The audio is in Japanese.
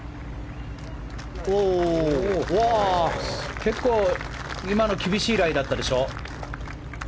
結構、今の厳しいライだったでしょ。